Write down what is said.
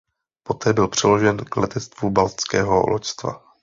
Poté byl přeložen k letectvu Baltského loďstva.